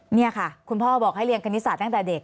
นี่ค่ะคุณพ่อบอกให้เรียนคณิตศาสตร์ตั้งแต่เด็ก